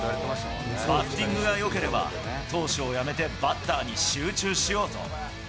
バッティングがよければ、投手をやめてバッターに集中しようと。